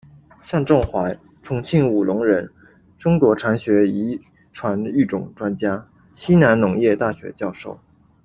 向仲怀，重庆武隆人，中国蚕学遗传育种专家，西南农业大学教授。